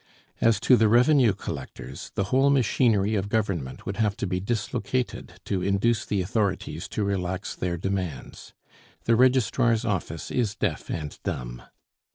As to the revenue collectors, the whole machinery of Government would have to be dislocated to induce the authorities to relax their demands. The registrar's office is deaf and dumb.